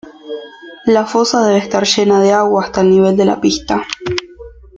La fosa debe estar llena de agua hasta el nivel de la pista.